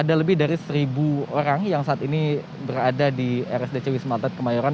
ada lebih dari seribu orang yang saat ini berada di rsdc wisma atlet kemayoran